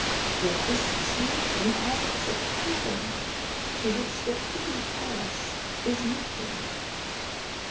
"That this chief inhabits a cavern to which the Pitti Palace is nothing."